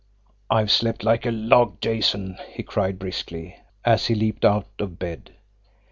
"I've slept like a log, Jason!" he cried briskly, as he leaped out of bed.